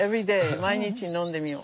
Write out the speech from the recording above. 毎日飲んでみよう。